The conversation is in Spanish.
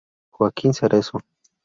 Joaquín Cerezo